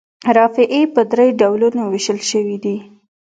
رافعې په درې ډولونو ویشل شوي دي.